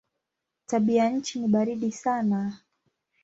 Tabianchi ni baridi sana.